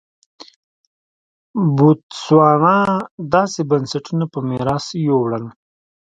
بوتسوانا داسې بنسټونه په میراث یووړل.